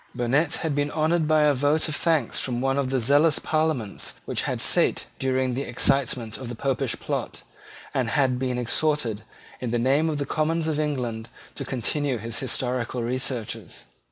Burnet had been honoured by a vote of thanks from one of the zealous Parliaments which had sate during the excitement of the Popish plot, and had been exhorted, in the name of the Commons of England, to continue his historical researches.